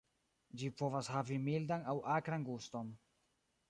Ĝi povas havi mildan aŭ akran guston.